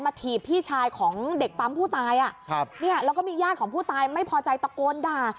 มาถีบพี่ชายของเด็กปั๊มผู้ตายแล้วก็มีญาติของผู้ตายไม่พอใจตะโกนด่า